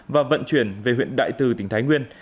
và vận chuyển về huyện đại từ tỉnh thái nguyên